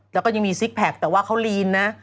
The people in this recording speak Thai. แล้วก็ยังมีซิกแพคแต่ว่าเขาลีนนะ